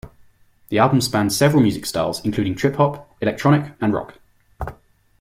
The album spans several musical styles including trip-hop, electronic and rock.